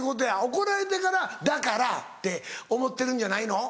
怒られてから「だから」って思ってるんじゃないの？